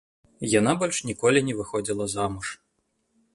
Яна больш ніколі не выходзіла замуж.